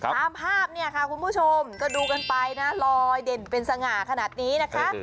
ตามภาพเนี่ยค่ะคุณผู้ชมก็ดูกันไปนะลอยเด่นเป็นสง่าขนาดนี้นะคะ